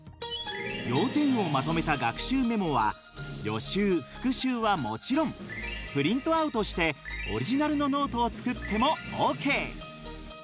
要点をまとめた学習メモは予習復習はもちろんプリントアウトしてオリジナルのノートを作ってもＯＫ！